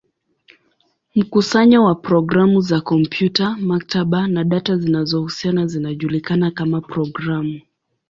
Mkusanyo wa programu za kompyuta, maktaba, na data zinazohusiana zinajulikana kama programu.